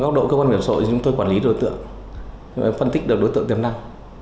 góc độ cơ quan biểu sội thì chúng tôi quản lý đối tượng phân tích được đối tượng tiềm năng